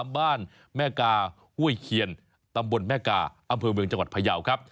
บ้านแม่กาห้วยเคียนตำบลแม่กาอำเภอเมืองจังหวัดพยาวครับ